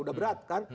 udah berat kan